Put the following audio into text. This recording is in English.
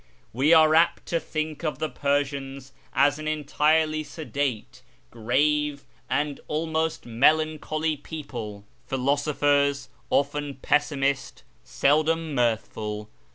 We are apt to think of the Persians as an entirely sedate, grave, and almost melancholy people ; SHIRAZ 283 philosophers, often pessimist, seldom mirthful.